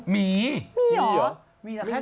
มีมีมีหรอ